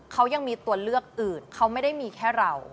เขายังมีตัวเลือกอื่นเขาไม่ได้มีแค่เรา